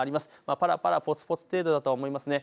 ぱらぱら、ぽつぽつ程度だと思いますね。